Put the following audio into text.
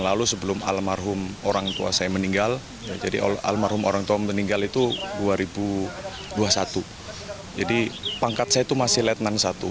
almarhum orang tua meninggal itu dua ribu dua puluh satu jadi pangkat saya itu masih lieutenant satu